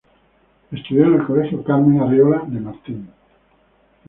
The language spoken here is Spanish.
Estudió en el Colegio Carmen Arriola de Marín.